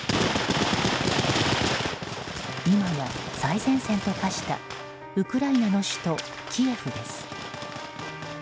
今や最前線と化したウクライナの首都キエフです。